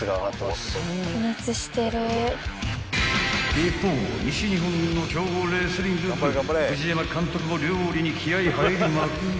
［一方西日本の強豪レスリング部藤山監督も料理に気合入りまくり］